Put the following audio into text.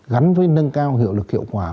gắn với nâng cao hiệu quả